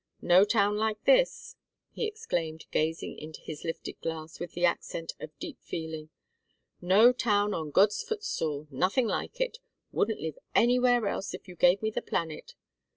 No town like this!" he exclaimed, gazing into his lifted glass and with the accent of deep feeling. "No town on God's footstool. Nothing like it. Wouldn't live anywhere else if you gave me the planet.